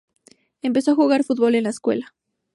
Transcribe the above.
Empezó a jugar a fútbol en la escuela.